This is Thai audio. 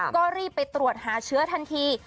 ก็รีบไปตรวจหาเชื้อทันที